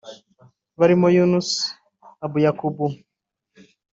Barimwo Younes Abouyaaqoub